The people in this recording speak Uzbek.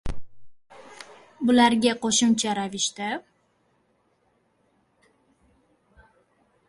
Bularga qo‘shimcha ravishda